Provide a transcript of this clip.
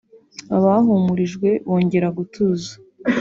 Abahumurijwe bongera gutuza